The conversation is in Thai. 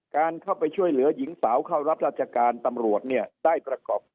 การเข้าไปช่วยเหลือหญิงสาวเข้ารับราชการตำรวจเนี่ยได้ประกอบ